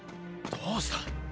どうした？